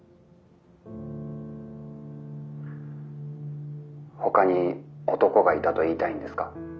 「ほかに男がいたと言いたいんですか？